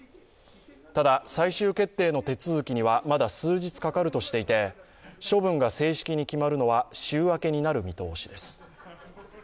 ただ最終決定の手続きにはまだ数日かかるとしていて処分が正式に決まるのは週明けになる見通しです。